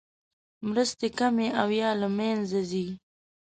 مرستې کمې او یا له مینځه ځي.